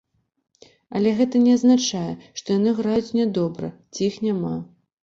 Але гэта не азначае, што яны граюць нядобра ці іх няма.